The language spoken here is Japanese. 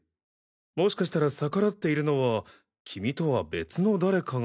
もしかしたら逆らっているのは君とは別の誰かが。